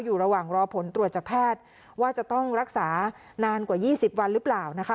อยู่ระหว่างรอผลตรวจจากแพทย์ว่าจะต้องรักษานานกว่า๒๐วันหรือเปล่านะคะ